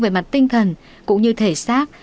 về mặt tinh thần cũng như thể xác